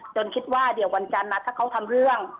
คิดว่าเดี๋ยววันจันทร์นะถ้าเขาทำเรื่อง